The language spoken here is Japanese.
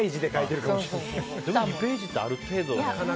でも２ページってある程度。